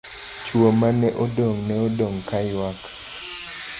Chuo mane odong', ne odong' kaywak.